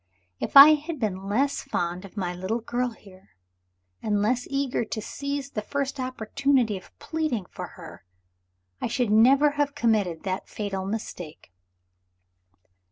If I had been less fond of my little girl here, and less eager to seize the first opportunity of pleading for her, I should never have committed that fatal mistake."